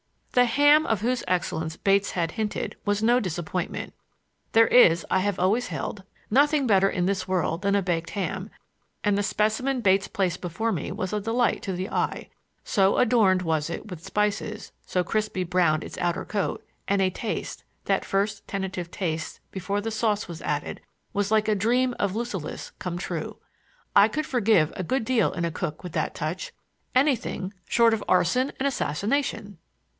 The ham of whose excellence Bates had hinted was no disappointment. There is, I have always held, nothing better in this world than a baked ham, and the specimen Bates placed before me was a delight to the eye,—so adorned was it with spices, so crisply brown its outer coat; and a taste—that first tentative taste, before the sauce was added—was like a dream of Lucullus come true. I could forgive a good deal in a cook with that touch,—anything short of arson and assassination!